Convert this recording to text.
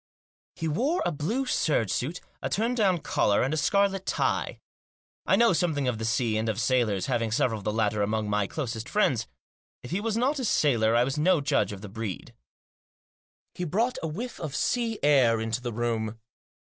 He wore a blue serge suit, a turn down collar, and a scarlet tie. I know something of the sea and of sailors, having several of the latter among my closest friends. If he was not a sailor I was no judge of the breed. He brought a whiff of sea air into the room.